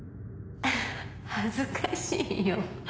恥ずかしいよ。